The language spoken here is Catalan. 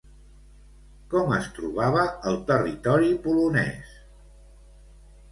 Com es trobava el territori polonès?